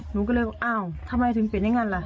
หนูก็เลยว่าอ้าวทำไมถึงเป็นอย่างนั้นล่ะ